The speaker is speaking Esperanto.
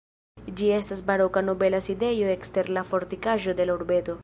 Ĝi estas baroka nobela sidejo ekster la fortikaĵo de la urbeto.